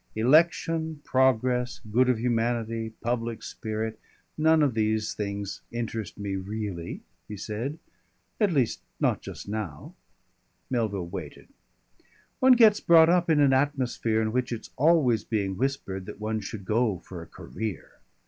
"Election, progress, good of humanity, public spirit. None of these things interest me really," he said. "At least, not just now." Melville waited. "One gets brought up in an atmosphere in which it's always being whispered that one should go for a career.